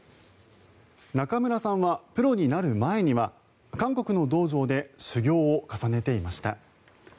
仲邑さんはプロになる前には韓国の道場で修業を重ねていました。